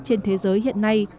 trên thế giới hiện nay